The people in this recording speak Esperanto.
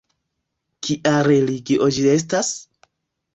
Kia religio ĝi estas?